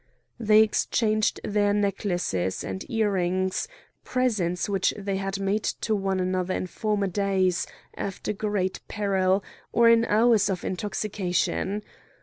They exchanged their necklaces and earrings, presents which they had made to one another in former days, after great peril, or in hours of intoxication.